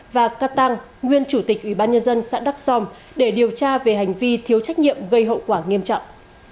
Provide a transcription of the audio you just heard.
và cát tăng nguyên chủ tịch ủy ban nhân dân xã đắk sòm để điều tra về hành vi thiếu trách nhiệm gây hậu quả nghiêm trọng